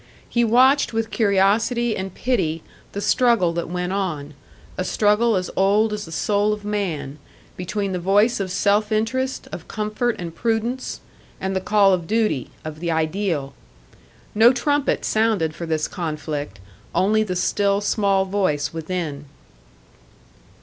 He watched with curiosity and pity the struggle that went on; a struggle as old as the soul of man between the voice of self interest, of comfort and prudence, and the call of duty, of the ideal. No trumpet sounded for this conflict, only the still small voice within.